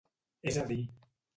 És a dir.